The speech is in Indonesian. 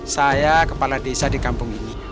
saya kepala desa di kampung ini